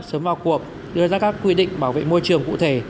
sớm vào cuộc đưa ra các quy định bảo vệ môi trường cụ thể